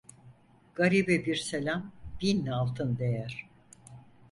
Garibe bir selam bin altın değer.